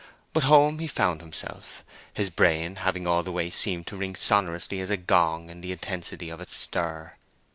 But home he found himself, his brain having all the way seemed to ring sonorously as a gong in the intensity of its stir.